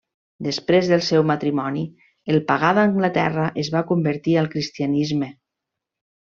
Després del seu matrimoni el pagà d'Anglaterra es va convertir al cristianisme.